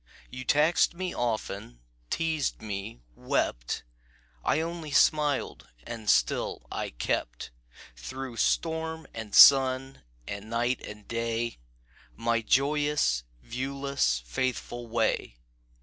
"You taxed me often, teased me, wept; I only smiled, and still I kept Through storm and sun and night and day, My joyous, viewless, faithful way.